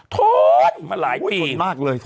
ทนมาหลายปี